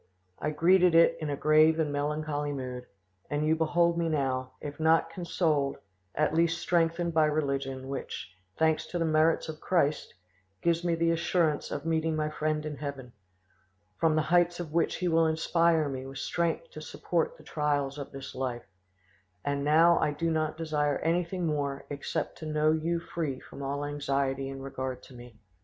I greeted it in a grave and melancholy mood, and you behold me now, if not consoled, at least strengthened by religion, which, thanks to the merits of Christ, gives me the assurance of meeting my friend in heaven, from the heights of which he will inspire me with strength to support the trials of this life; and now I do not desire anything more except to know you free from all anxiety in regard to me."